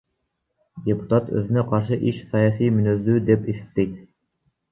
Депутат өзүнө каршы иш саясий мүнөздүү деп эсептейт.